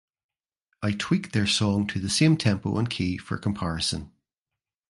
I tweaked their song to the same tempo and key for comparison.